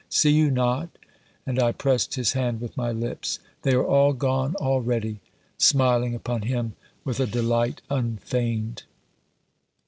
See you not," and I pressed his hand with my lips, "they are all gone already?" smiling upon him with a delight unfeigned.